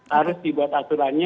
harus dibuat aturannya